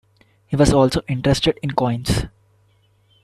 He was also interested in coins.